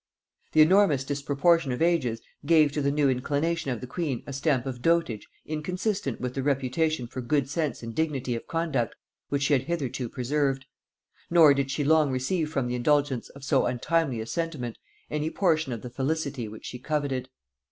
The enormous disproportion of ages gave to the new inclination of the queen a stamp of dotage inconsistent with the reputation for good sense and dignity of conduct which she had hitherto preserved. Nor did she long receive from the indulgence of so untimely a sentiment any portion of the felicity which she coveted.